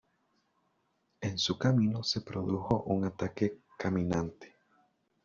En su camino se produjo un ataque caminante.